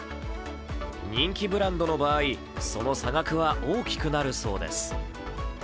人気ブランドの場合、その差額は大きくなるそうです。